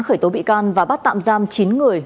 khởi tố bị can và bắt tạm giam chín người